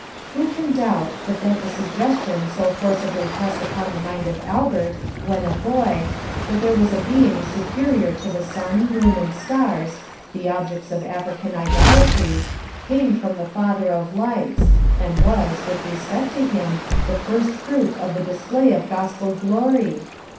Who can doubt but that the Suggestion so forcibly press'd upon the Mind of Albert (when a Boy) that there was a Being superior to the Sun, Moon, and Stars (the Objects of African Idolatry) came from the Father of Lights, and was, with Respect to him, the First Fruit of the Display of Gospel Glory?